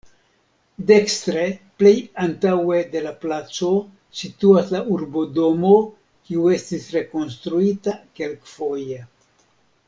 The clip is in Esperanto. Dekstre plej antaŭe de la placo situas la Urbodomo, kiu estis rekonstruita kelkfoje.